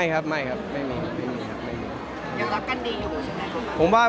กลัวบาทวงกำหนดการส่วนอย่างฝัง